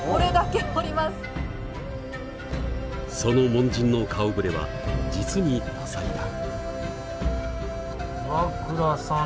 その門人の顔ぶれは実に多彩だ。